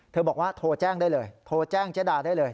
บอกว่าโทรแจ้งได้เลยโทรแจ้งเจ๊ดาได้เลย